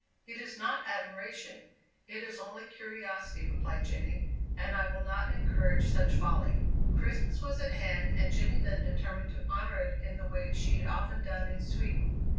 "It is not admiration it is only curiosity," replied Jenny, "and I will not encourage such folly." Christmas was at hand, and Jenny Lind determined to honor it in the way she had often done in Sweden.